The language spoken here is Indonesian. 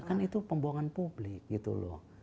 kan itu pembohongan publik gitu loh